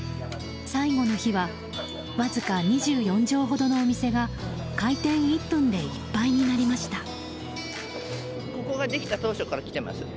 最後の日は、わずか２４畳ほどのお店が開店１分でいっぱいになりました。